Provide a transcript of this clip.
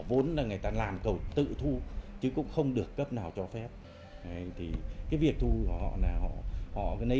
vốn là người ta làm cầu tự thu chứ cũng không được cấp nào cho phép thì cái việc thu họ là họ họ lấy